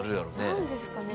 何ですかね。